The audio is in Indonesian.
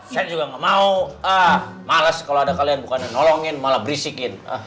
saya juga gak mau males kalau ada kalian bukan yang nolongin malah berisikin